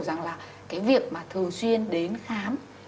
rằng là cái việc mà thường xuyên đến khám